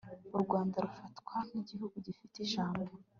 u rwanda rufatwa nk'igihugu gifite ijambo